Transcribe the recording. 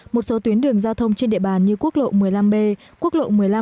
một số tuyến đường giao thông trên địa bàn như quốc lộ một mươi năm b quốc lộ một mươi năm